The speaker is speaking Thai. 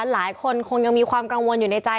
หลายคนคงยังมีความกังวลอยู่ในใจ